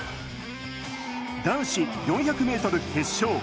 男子４００ｍ決勝。